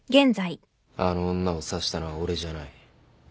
あの女を刺したのは俺じゃない。